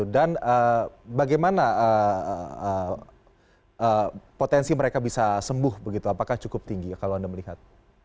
dan bagaimana potensi mereka bisa sembuh begitu apakah cukup tinggi kalau anda melihat